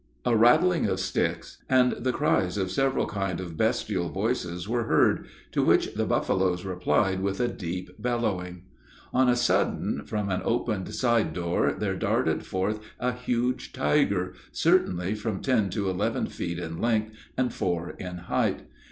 A rattling of sticks, and the cries of several kind? of bestial voices were heard to which the buffaloes replied with a deep bellowing. On a sudden, from an opened side door, there darted forth a huge tiger, certainly from ten to eleven feet in length, and four in height.